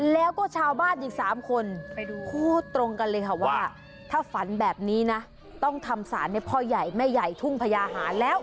แล้วก็ชาวบ้านอีก๓คนพูดตรงกันเลยค่ะว่าถ้าฝันแบบนี้นะต้องทำสารให้พ่อใหญ่แม่ใหญ่ทุ่งพญาหาแล้ว